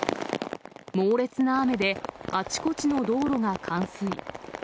猛烈な雨で、あちこちの道路が冠水。